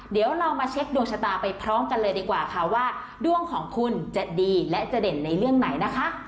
เดี๋ยวเรามาเช็คดวงชะตาไปพร้อมกันเลยดีกว่าค่ะว่าดวงของคุณจะดีและจะเด่นในเรื่องไหนนะคะ